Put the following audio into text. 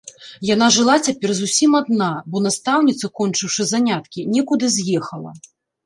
Яна жыла цяпер зусім адна, бо настаўніца, кончыўшы заняткі, некуды з'ехала.